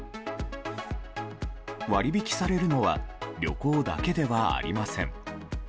割り引きされるのは旅行だけではありません。